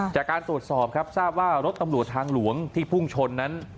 จากการตรวจสอบครับทราบว่ารถตำรวจทางหลวงที่พุ่งชนนั้น